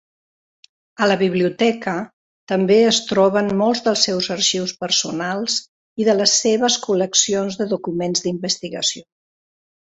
A la biblioteca també es troben molts dels seus arxius personals i de les seves col·leccions de documents d'investigació.